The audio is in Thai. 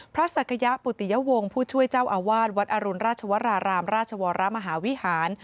ศักยะปุติยวงศ์ผู้ช่วยเจ้าอาวาสวัดอรุณราชวรารามราชวรมหาวิหาร